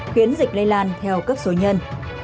khiến dịch lây lan theo cấp số nhân